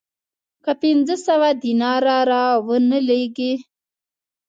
که پنځه سوه دیناره را ونه لېږې